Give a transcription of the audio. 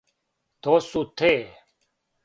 То су те?